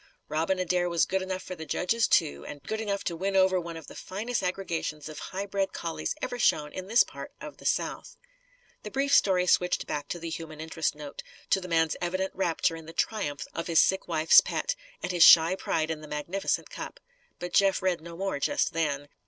Robin Adair was good enough for the judges, too, and good enough to win over one of the finest aggregations of high bred collies ever shown in this part of the South. The brief story switched back to the human interest note to the man's evident rapture in the triumph of his sick wife's pet, and his shy pride in the magnificent cup. But Jeff read no more just then.